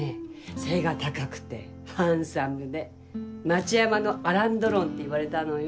背が高くてハンサムで町山のアラン・ドロンっていわれたのよ。